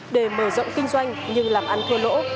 để mở rộng kinh doanh nhưng làm ăn thua lỗ